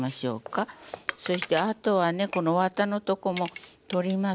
そしてあとはねこのわたのとこも取ります。